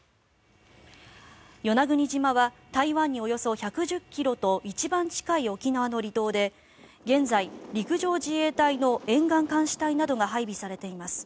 与那国島は台湾におよそ１１０ｋｍと一番近い沖縄の離島で現在、陸上自衛隊の沿岸監視隊などが配備されています。